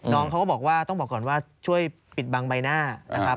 น้องเขาก็บอกว่าต้องบอกก่อนว่าช่วยปิดบังใบหน้านะครับ